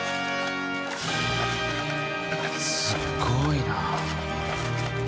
すごいな。